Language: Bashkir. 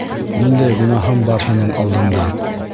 Ниндәй гонаһым бар һинең алдыңда?